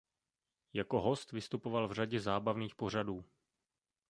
Jako host vystupoval v řadě zábavných pořadů.